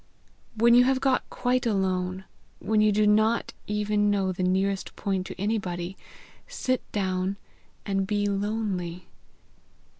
"When you have got quite alone, when you do not even know the nearest point to anybody, sit down and be lonely.